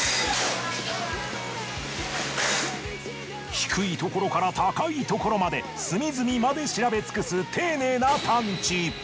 低いところから高いところまで隅々まで調べ尽くす丁寧な探知。